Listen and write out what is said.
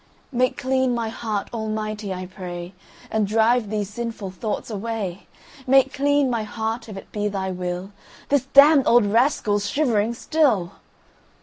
"Make clean my heart, Almighty, I pray, And drive these sinful thoughts away. Make clean my heart if it be Thy will, This damned old rascal's shivering still!"